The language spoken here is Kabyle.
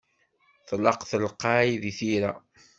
Tlaq telqey deg tira.